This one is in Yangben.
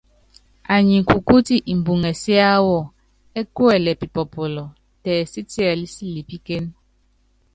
Anyi kukúti imbuŋɛ siáwɔ ɛ́ kuɛlɛ pipɔpɔlɔ, tɛɛ sítiɛlí silipíkéne.